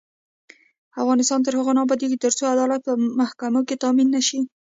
افغانستان تر هغو نه ابادیږي، ترڅو عدالت په محکمو کې تامین نشي.